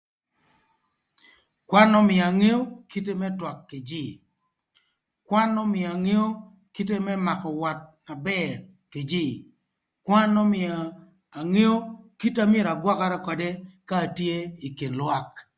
Kwan ömïö angeo kite më twak kï jïï, kwan ömïö angeo kite më makö wat na bër kï jïï, kwan ömïö angeo kite amyero agwökara ködë ka atye ï kin lwak.